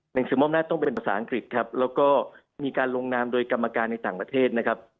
หนังสือมอบหน้าต้องเป็นภาษาอังกฤษครับแล้วก็มีการลงนามโดยกรรมการในต่างประเทศนะครับ